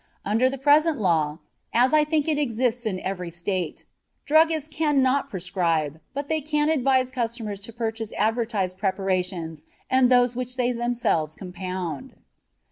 Under the present law, as I think it exists in every State, druggists cannot prescribe, but they can advise customers to purchase advertised preparations and those which they themselves compound.